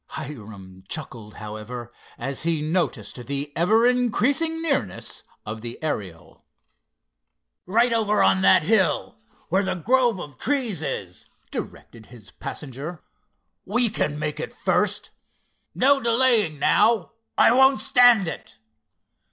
Hiram chuckled, however, as he noticed the ever increasing nearness of the Ariel. "Right over on that hill—where the grove of trees is," directed his passenger. "We can make it first. No delaying, now! I won't stand it!"